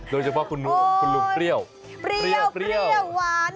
โดยเฉพาะคุณลุงเปรี้ยวเปรี้ยวหวาน